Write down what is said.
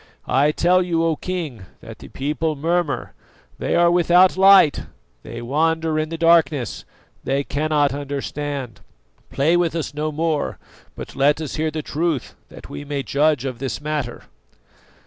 I tell you, O King, that the people murmur; they are without light, they wander in the darkness, they cannot understand. Play with us no more, but let us hear the truth that we may judge of this matter."